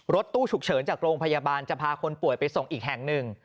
รถตู้ฉุกเฉินจากโรงพยาบาลจะพาคนป่วยไปส่งอีกแห่งหนึ่ง